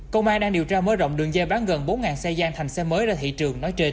công an đang điều tra mới rộng đường dây bán gần bốn xe gian thành xe mới ra thị trường nói trên